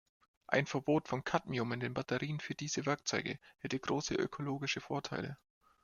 Ein Verbot von Kadmium in den Batterien für diese Werkzeuge hätte große ökologische Vorteile.